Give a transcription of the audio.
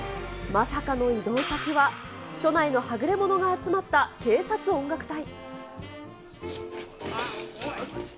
まさかの異動先は、署内のはぐれ者が集まった警察音楽隊。